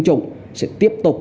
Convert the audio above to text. chúng tôi sẽ truyền thông